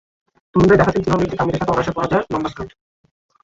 তরুণীরাই দেখাচ্ছেন কীভাবে একটা কামিজের সঙ্গে অনায়াসে পরা যায় লম্বা স্কার্ট।